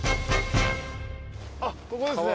あっここですね。